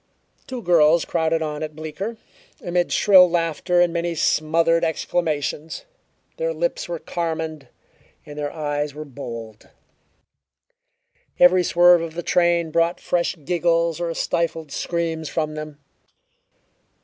Two girls crowded on at Bleecker, amid shrill laughter and many smothered exclamations. Their lips were carmined and their eyes bold. Every swerve of the train brought fresh giggles or stifled screams from them.